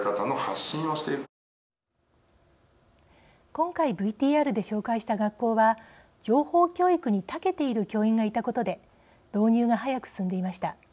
今回ＶＴＲで紹介した学校は情報教育にたけている教員がいたことで導入が早く進んでいました。